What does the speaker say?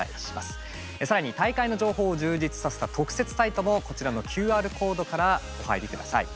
更に大会の情報を充実させた特設サイトもこちらのＱＲコードからお入り下さい。